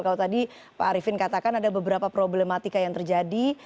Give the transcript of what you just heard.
kalau tadi pak arifin katakan ada beberapa problematika yang terjadi